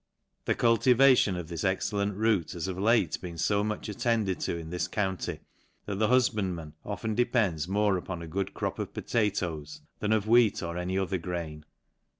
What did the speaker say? The cultivation of this excellent root has of late been fo much attended to in this county, that the hufband man often depends more upon a good crop of pota toes, than of wheat, or any other grain.